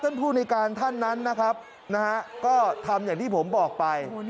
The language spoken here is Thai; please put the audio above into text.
ท่านผู้นายการท่านนั้นนะครับก็ทำอย่างที่ผมบอกไป